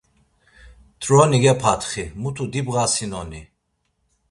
Troni gepatxi, mutu dibğasinoni?